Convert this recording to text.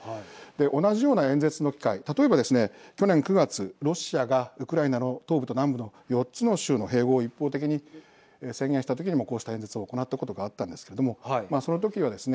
同じような演説の機会例えばですね、去年９月ロシアがウクライナの東部と南部の４つの州の併合を一方的に宣言した時にもこうした演説を行ったことがあったんですけどもその時はですね